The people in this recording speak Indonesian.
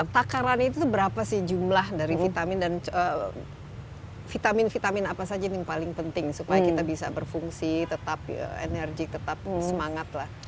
takaran itu berapa sih jumlah dari vitamin dan vitamin vitamin apa saja yang paling penting supaya kita bisa berfungsi tetap energi tetap semangat lah